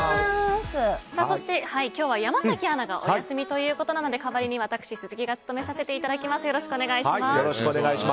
今日は山崎アナがお休みということなので代わりに私鈴木が務めさせていただきます。